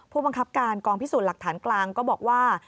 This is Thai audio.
ผู้บังคับการกองพิสูจน์หลักฐานกลางก็บอกว่า